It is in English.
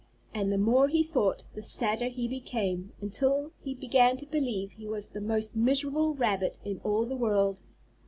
And the more he thought the sadder he became, until he began to believe he was the most miserable rabbit in all the world.